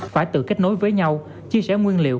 phải tự kết nối với nhau chia sẻ nguyên liệu